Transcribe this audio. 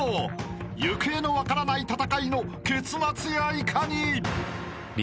［行方の分からない戦いの結末やいかに？］